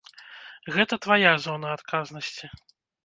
Гэта твая зона адказнасці.